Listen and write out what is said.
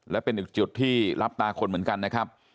และเป็นอีกจุดที่รับตาคนเหมือนกันนะครับ